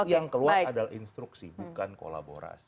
yang keluar adalah instruksi bukan kolaborasi